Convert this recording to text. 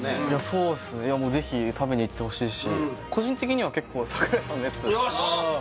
そうっすねもうぜひ食べに行ってほしいし個人的には結構櫻井さんのやつよーし！